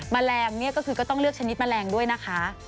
แมลงเนี่ยก็คือก็ต้องเลือกชนิดแมลงด้วยนะคะ